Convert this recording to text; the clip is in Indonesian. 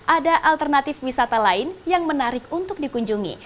ada alternatif wisata lain yang menarik untuk dikunjungi